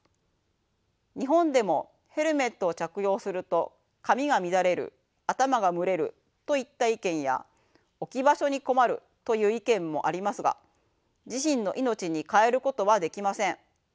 日本でもヘルメットを着用すると髪が乱れる頭が蒸れるといった意見や置き場所に困るという意見もありますが自身の命に代えることはできません。